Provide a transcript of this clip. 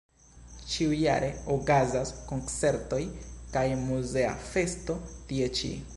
Ĉiujare okazas koncertoj kaj muzea festo tie ĉi.